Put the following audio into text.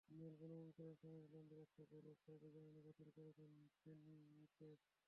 মেলবোর্নে অনুশীলনের সময় রোনালদোর একটা গোল অফসাইডের কারণে বাতিল করে দেন বেনিতেজ।